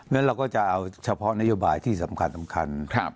ฉะนั้นเราก็จะเอาเฉพาะนโยบายที่สำคัญ